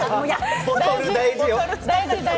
ボトル、大事よ。